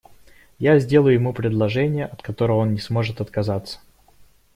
Я сделаю ему предложение, от которого он не сможет отказаться.